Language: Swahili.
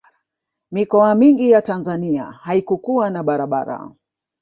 mikoa mingi ya tanzania haikukuwa na barabara